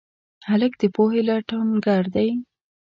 هلک د پوهې لټونګر دی.